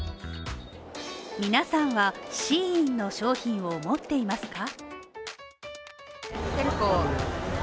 皆さんはＳＨＥＩＮの商品を持っていますか？